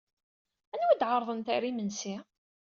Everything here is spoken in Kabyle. Anwa ay d-ɛerḍent ɣer yimensi?